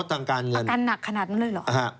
อาการหนักขนาดนั้นเลยเหรอ